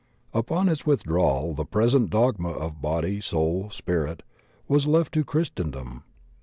Upon its witiidrawal the present dogma of body, soul, spirit, was left to Oiristendom.